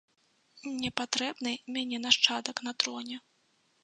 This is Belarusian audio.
Не патрэбны мяне нашчадак на троне.